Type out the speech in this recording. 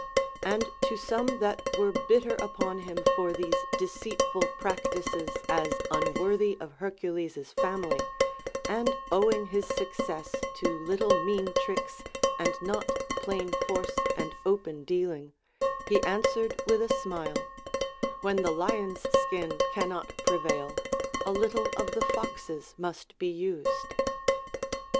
And to some that were bitter upon him for these deceitful practices, as unworthy of Hercules's family, and owing his success to little mean tricks and not plain force and open dealing, he answered with a smile, AVlien the lion's skin cannot prevail, a little of the fox's must be used.